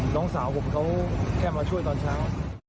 น้องสาวผมเขาแค่มาช่วยตอนเช้า